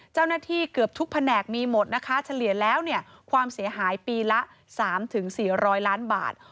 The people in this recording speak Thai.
เจ้าหน้าที่เกือบทุกแผนกมีหมดนะคะเฉลี่ยแล้วเนี่ยความเสียหายปีละ๓๔๐๐ล้านบาท